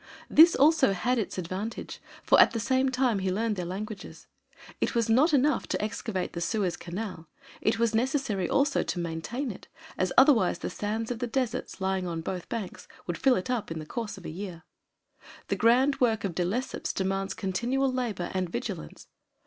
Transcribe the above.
This also had its advantage, for at the same time he learned their languages. It was not enough to excavate the Suez Canal; it was necessary also to maintain it, as otherwise the sands of the deserts, lying on both banks, would fill it up in the course of a year. The grand work of De Lesseps demands continual labor and vigilance.